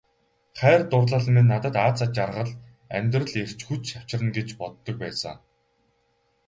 Хайр дурлал минь надад аз жаргал, амьдрах эрч хүч авчирна гэж боддог байсан.